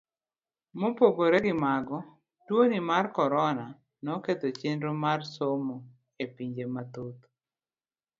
Mopogore gi mago, tuoni mar korona noketho chenro mar somo e pinje mathoth.